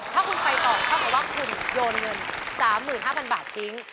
เพราะว่าคุณโยนเงิน๓๕๐๐๐บาททิ้ง